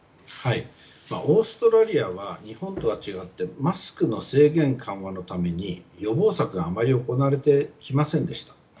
オーストラリアは日本とは違ってマスクの制限緩和のために予防策があまり行われてきませんでした。